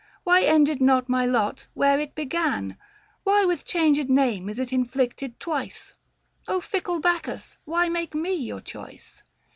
515 Why ended not my lot, where it began ; Why with changed name is it inflicted twice ? fickle Bacchus, why make me your choice